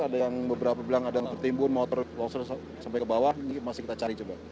ada yang beberapa bilang ada yang tertimbun motor longsor sampai ke bawah ini masih kita cari coba